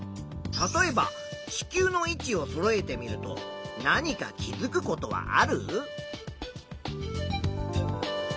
例えば地球の位置をそろえてみると何か気づくことはある？